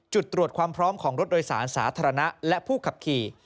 จุดตรวจความพร้อมของรถโดยสารสาธารณะและผู้ขับขี่